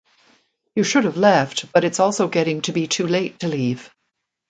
You should have left, but it’s also getting to be too late to leave.